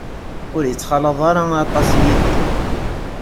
Ur ittxalaḍ ara aṭas Yidir.